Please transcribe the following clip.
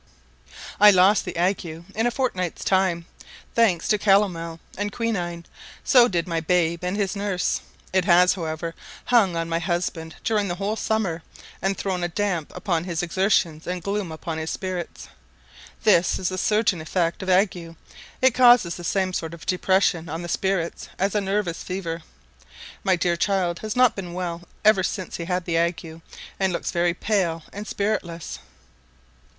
I lost the ague in a fortnight's time, thanks to calomel and quinine; so did my babe and his nurse: it has, however, hung on my husband during the whole of the summer, and thrown a damp upon his exertions and gloom upon his spirits. This is the certain effect of ague, it causes the same sort of depression on the spirits as a nervous fever. My dear child has not been well ever since he had the ague, and looks very pale and spiritless.